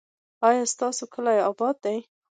ایا ستاسو کلی اباد دی؟